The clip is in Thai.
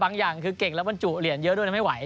บางอย่างเก่งแล้วมันจุเหรียญเยอะด้วยไม่ไหว